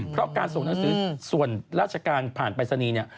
เพราะการส่งหนังสือส่วนราชการผ่านปรายศนีย์เนี่ย